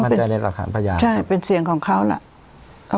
มั่นใจนั่นแหละค่ะมันเป็นเสียงของเขาแหละ